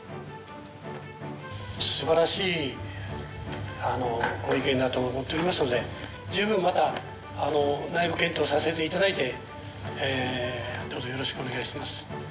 素晴らしいご意見だと思っておりますので十分また内部検討させていただいてどうぞよろしくお願いします。